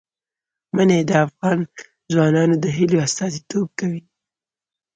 منی د افغان ځوانانو د هیلو استازیتوب کوي.